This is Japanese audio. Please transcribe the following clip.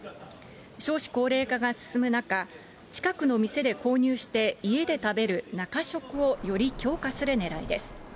少子高齢化が進む中、近くの店で購入して家で食べる中食をより強化するねらいです。